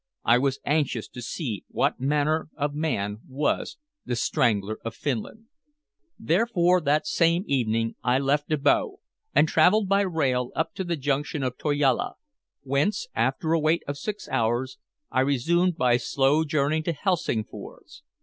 I was anxious to see what manner of man was "The Strangler of Finland." Therefore, that same evening I left Abo, and traveled by rail up to the junction Toijala, whence, after a wait of six hours, I resumed by slow journey to Helsingfors.